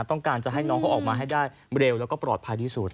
ต้องการจะให้น้องเขาออกมาให้ได้เร็วแล้วก็ปลอดภัยที่สุด